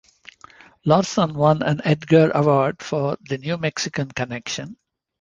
Larson won an Edgar Award for "The New Mexican Connection".